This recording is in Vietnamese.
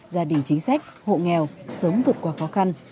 gia đình chính sách hộ nghèo sớm vượt qua khó khăn